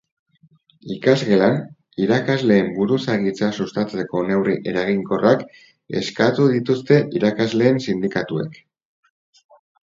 Ikasgelan irakasleen buruzagitza sustatzeko neurri eraginkorrak eskatu dituzte irakasleen sindikatuek.